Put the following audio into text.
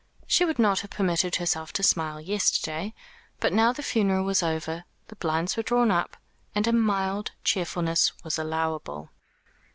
She would not have permitted herself to smile yesterday; but now the funeral was over, the blinds were drawn up, and a mild cheerfulness was allowable.